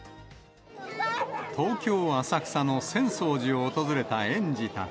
東京・浅草の浅草寺を訪れた園児たち。